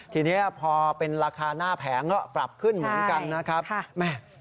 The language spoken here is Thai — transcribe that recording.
ทีนี้พอเป็นราคาหน้าแผงก็ปรับขึ้นเหมือนกันนะครับ